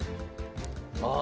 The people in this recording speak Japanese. ああ！